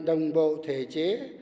đồng bộ thể chế